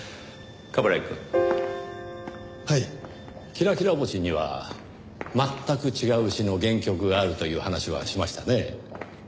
『きらきら星』には全く違う詞の原曲があるという話はしましたねぇ。